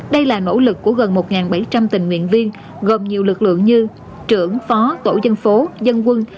đây là nỗ lực của gần một bảy trăm linh tình nguyện viên gồm nhiều lực lượng như trưởng phó tổ dân phố dân quân